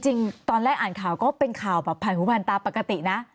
จริงตอนแรกอ่านข่าวก็เป็นข่าวแบบผ่านหูผ่านตาปกตินะ